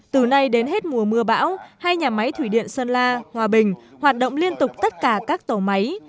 từ nay đến hết mùa mưa bão hai nhà máy thủy điện sơn la hòa bình hoạt động liên tục tất cả các tổ máy